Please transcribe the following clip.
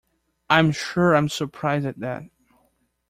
I'm sure I'm surprised at that.